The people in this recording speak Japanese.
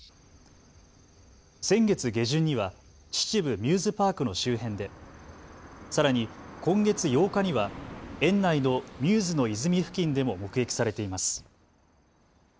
先月下旬には秩父ミューズパークの周辺で、さらに今月８日には園内のミューズの泉付近でも目撃されています。